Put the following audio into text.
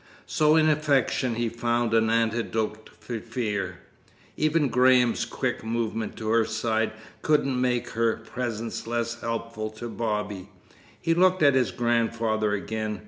So in affection he found an antidote for fear. Even Graham's quick movement to her side couldn't make her presence less helpful to Bobby. He looked at his grandfather again.